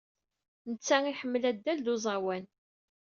Netta iḥemmel addal ed uẓawan.